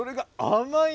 甘い？